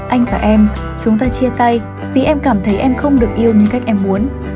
anh và em chúng ta chia tay vì em cảm thấy em không được yêu như cách em muốn